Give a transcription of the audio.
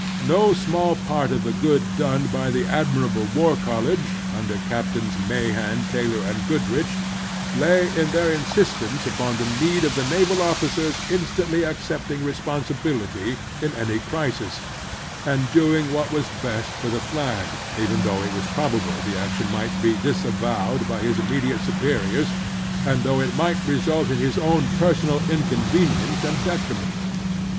No small part of the good done by the admirable War College, under Captains Mahan, Taylor, and Goodrich, lay in their insistence upon the need of the naval officer's instantly accepting responsibility in any crisis, and doing what was best for the flag, even though it was probable the action might be dis avowed by his immediate superiors, and though it might result in his own personal inconvenience and detriment.